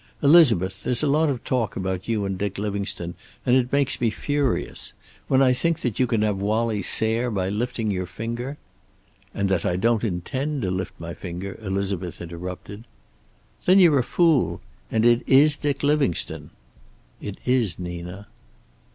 Elizabeth, there's a lot of talk about you and Dick Livingstone, and it makes me furious. When I think that you can have Wallie Sayre by lifting your finger " "And that I don't intend to lift my finger," Elizabeth interrupted. "Then you're a fool. And it is Dick Livingstone!" "It is, Nina."